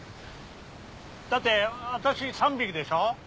だって私３匹でしょ。